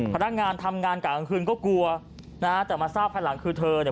พนักงานทำงานกลางคืนก็กลัวนะฮะแต่มาทราบภายหลังคือเธอเนี่ย